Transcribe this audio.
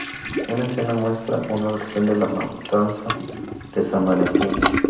Una escena muestra una versión de la Matanza de San Valentín.